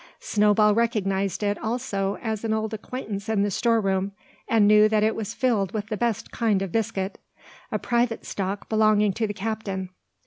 Snowball recognised it also as an old acquaintance in the store room, and knew that it was filled with the best kind of biscuit, a private stock belonging to the captain.